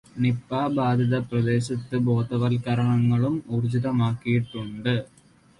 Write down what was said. Nipah ബാധിതപ്രദേശത്ത് ബോധവല്ക്കരണങ്ങളും ഊര്ജ്ജിതമാക്കിയിട്ടുണ്ട്.